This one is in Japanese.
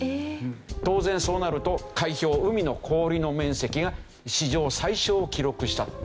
当然そうなると海氷海の氷の面積が史上最小を記録した。